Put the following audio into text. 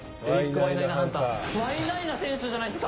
ワイナイナ選手じゃないですか！